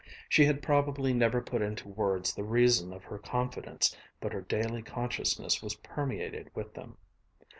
She had probably never put into words the reasons of her confidence, but her daily consciousness was permeated with them.